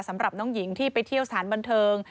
สำหรับน้องหญิงที่ไปเที่ยวสถานบันเทิง